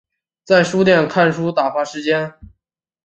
在书店看书打发时间